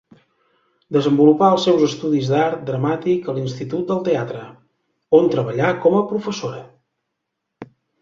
Desenvolupà els seus estudis d'art dramàtic a l'Institut del Teatre, on treballà com a professora.